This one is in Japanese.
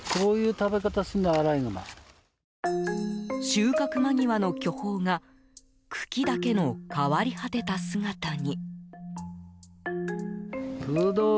収穫間際の巨峰が茎だけの変わり果てた姿に。